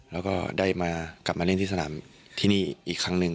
แล้วก็ได้มากลับมาเล่นที่สนามที่นี่อีกครั้งหนึ่ง